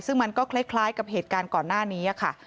ซึ่งมันก็คล้ายกับเหตุการณ์ก่อนหน้านี้ค่ะ